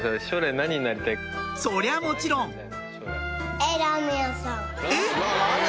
そりゃもちろんえっ？